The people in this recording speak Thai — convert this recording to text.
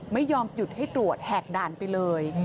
ไม่ยอมหยุดให้ตรวจแหกด่านไปเลย